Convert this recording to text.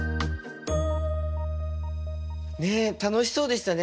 ね楽しそうでしたね